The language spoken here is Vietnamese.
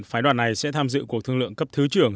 phái đoàn này sẽ tham dự cuộc thương lượng cấp thứ trưởng